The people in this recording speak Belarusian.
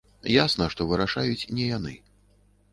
Ясна, што вырашаюць не яны.